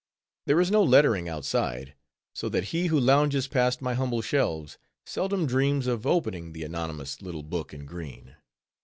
There is no lettering outside; so that he who lounges past my humble shelves, seldom dreams of opening the anonymous little book in green.